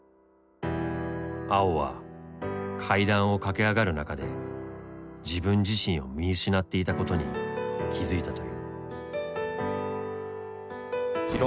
碧は階段を駆け上がる中で自分自身を見失っていたことに気付いたという。